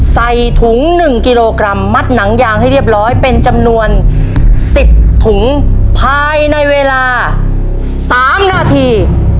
ใส่ถุง๑กิโลกรัมมัดหนังยางให้เรียบร้อยเป็นจำนวน๑๐ถุงภายในเวลา๓นาที